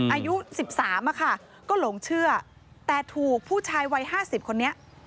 อายุ๑๓อะค่ะก็หลงเชื่อแต่ถูกผู้ชายวัย๕๐คนนี้